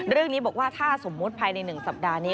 เรื่องนี้บอกว่าถ้าสมมุติภายใน๑สัปดาห์นี้